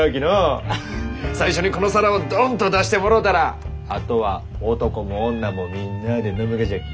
最初にこの皿をドンと出してもろうたらあとは男も女もみんなあで飲むがじゃき。